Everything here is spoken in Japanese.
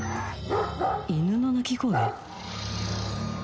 犬の鳴き声？